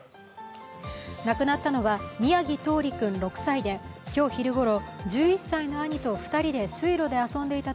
亡くなったのは宮城柊李君６歳で今日昼ごろ、１１歳の兄と２人で水路で遊んでいた